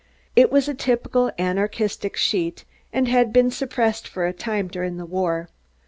It was a typical anarchistic sheet, and had been suppressed for a time, during the war.